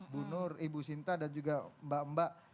bu nur ibu sinta dan juga mbak mbak